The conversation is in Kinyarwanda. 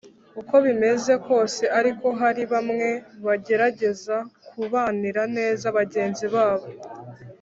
uko bimeze kose ariko, hari bamwe bagerageza kubanira neza bagenzi babo.